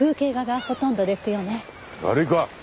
悪いか？